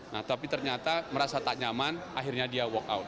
nah tapi ternyata merasa tak nyaman akhirnya dia walk out